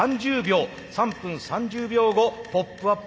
３分３０秒後ポップアップが目安です。